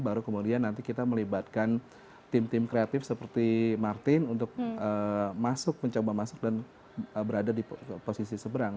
baru kemudian nanti kita melibatkan tim tim kreatif seperti martin untuk masuk mencoba masuk dan berada di posisi seberang